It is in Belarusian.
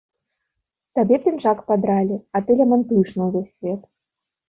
Табе пінжак падралі, а ты лямантуеш на ўвесь свет.